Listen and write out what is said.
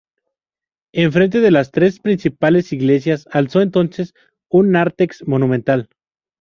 Enfrente de las tres principales iglesias, alzó entonces un nártex monumental.